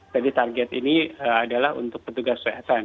jadi target ini adalah untuk petugas kesehatan